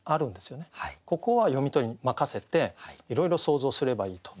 ここは読み手に任せていろいろ想像すればいいと。